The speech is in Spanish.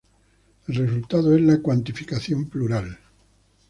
El resultado es la cuantificación plural.